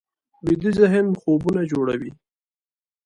ویده ذهن خوبونه جوړوي